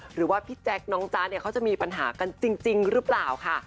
หรือว่าพี่แจ๊คน้องจ๊ะเนี่ยเขาจะมีปัญหากันจริงหรือเปล่าค่ะ